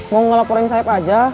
mau ngelaporin saeb aja